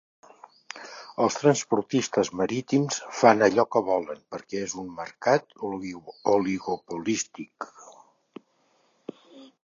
Els transportistes marítims fan allò que volen perquè és un mercat oligopolístic.